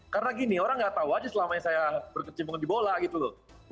karena gini orang nggak tahu aja selama saya berkecimpung di bola gitu loh